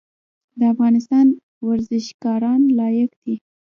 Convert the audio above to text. د افغانستان ورزشکاران لایق دي